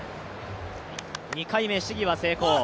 ２回目、試技は成功。